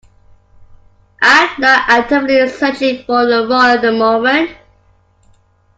I am not actively searching for a role at the moment.